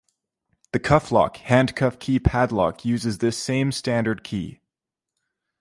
The Cuff Lock handcuff key padlock uses this same standard key.